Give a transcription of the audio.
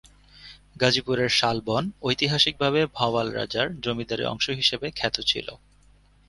গাজীপুরের শাল বন ঐতিহাসিকভাবে ভাওয়াল রাজার জমিদারী অংশ হিসেবে খ্যাত ছিল।